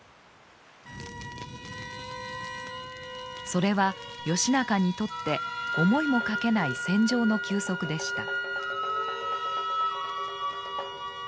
それは義仲にとって思いもかけない戦場の休息でした。